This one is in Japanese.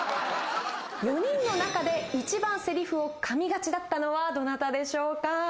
４人の中で一番せりふをかみがちだったのはどなたでしょうか？